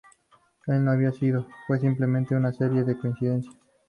Él no había sido, fue simplemente una serie de coincidencias.